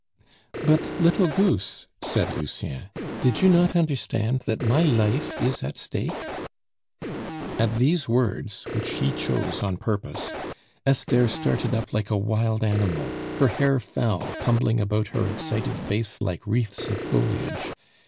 "But, little goose," said Lucien, "did you not understand that my life is at stake?" At these words, which he chose on purpose, Esther started up like a wild animal, her hair fell, tumbling about her excited face like wreaths of foliage.